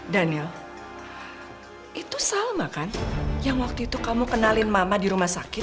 daniel itu sama kan yang waktu itu kamu kenalin mama di rumah sakit